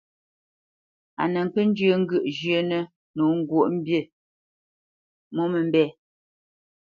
A nə kə́ njyə́ ŋgyə̂ʼ zhyə́nə̄ nǒ ŋgwǒʼmbî mǒmə́mbɛ̂.